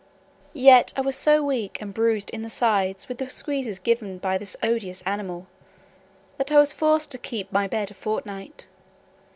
Yet I was so weak and bruised in the sides with the squeezes given me by this odious animal, that I was forced to keep my bed a fortnight.